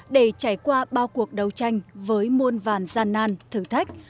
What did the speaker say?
để trải qua bao cuộc đấu tranh với muôn vàn gian nan thử thách